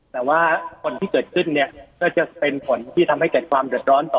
แต่ว่าผลที่เกิดขึ้นเนี่ยก็จะเป็นผลที่ทำให้เกิดความเดือดร้อนต่อ